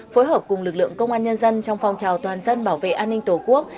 phối hợp cùng lực lượng công an nhân dân trong phong trào toàn dân bảo vệ an ninh tổ quốc